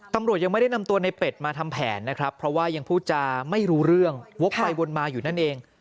ตำรวจยังไม่ได้นำตัวในเป็ดมาทำแผนนะครับเพราะว่ายังพูดจาไม่รู้เรื่องวกไปวนมาอยู่นั่นเอง